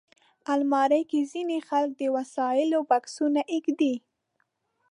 الماري کې ځینې خلک د وسایلو بکسونه ایږدي